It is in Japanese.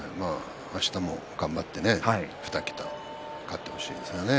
あしたも頑張って２桁勝ってほしいですね。